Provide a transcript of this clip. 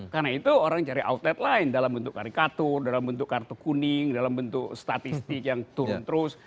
karena itu orang cari outlet lain dalam bentuk karikatur dalam bentuk kartu kuning dalam bentuk statistik yang turun terus